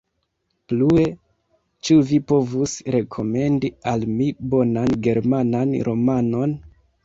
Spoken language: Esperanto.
Plue, ĉu vi povus rekomendi al mi bonan germanan romanon?